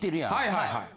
はいはい。